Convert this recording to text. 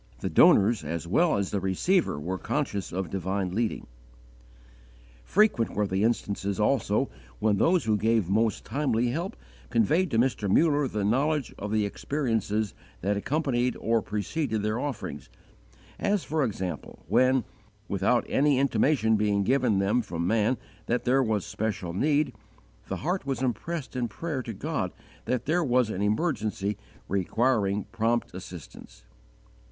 The donors as well as the receiver were conscious of divine leading. Frequent were the instances also when those who gave most timely help conveyed to Mr. Muller the knowledge of the experiences that accompanied or preceded their offerings; as, for example, when, without any intimation being given them from man that there was special need, the heart was impressed in prayer to God that there was an emergency requiring prompt assistance.